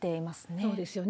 そうですよね。